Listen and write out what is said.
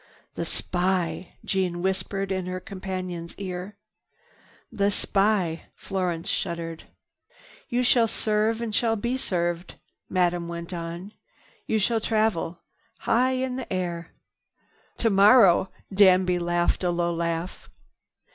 "The spy!" Jeanne whispered in her companion's ear. "The spy!" Florence shuddered. "You shall serve and shall be served," Madame went on. "You shall travel—high in air." "Tomorrow," Danby laughed a low laugh.